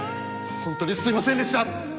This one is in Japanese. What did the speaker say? ホントにすいませんでした！